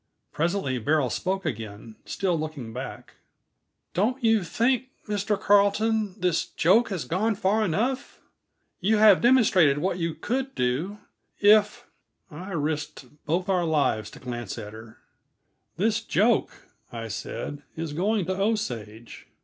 Presently Beryl spoke again, still looking back. "Don't you think, Mr. Carleton, this joke has gone far enough? You have demonstrated what you could do, if " I risked both our lives to glance at her. "This joke," I said, "is going to Osage.